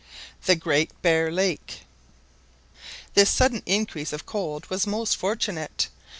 THE GREAT BEAR LAKE. This sudden increase of cold was most fortunate.